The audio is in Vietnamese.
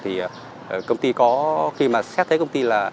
thì công ty có khi mà xét thấy công ty là